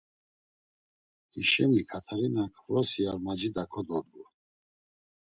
Hişeni Katerinak vrosi ar macida kododgu.